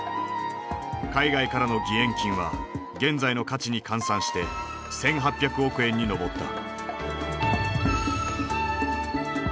海外からの義援金は現在の価値に換算して１，８００億円に上った。